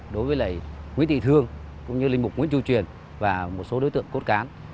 đối với nguyễn thị thương linh bục nguyễn chu truyền và một số đối tượng cốt cán